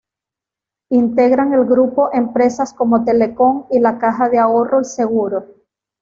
Integran el grupo empresas como Telecom y La Caja de Ahorro y Seguro.